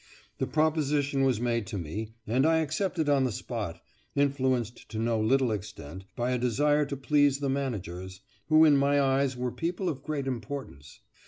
The proposition was made to me, and I accepted on the spot, influenced to no little extent by a desire to please the managers, who in my eyes were people of great importance.